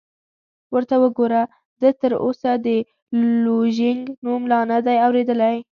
ورته وګوره، ده تراوسه د لوژینګ نوم لا نه دی اورېدلی!